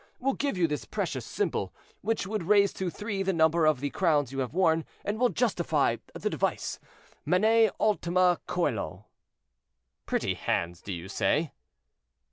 —will give you this precious symbol, which would raise to three the number of the crowns you have worn, and will justify the device, 'Manet ultima coelo.'" "Pretty hands, do you say?"